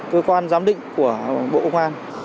cơ quan giám định của bộ công an